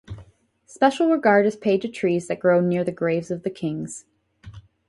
Special regard is paid to trees that grow near the graves of the kings.